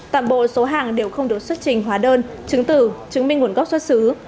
toàn bộ số hàng đều không đủ xuất trình hóa đơn chứng tử chứng minh một gốc xuất xứ